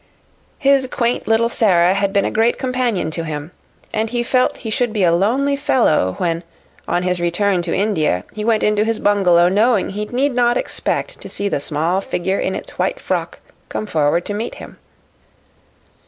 His quaint little Sara had been a great companion to him, and he felt he should be a lonely fellow when, on his return to India, he went into his bungalow knowing he need not expect to see the small figure in its white frock come forward to meet him.